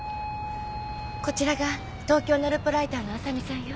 こちらが東京のルポライターの浅見さんよ。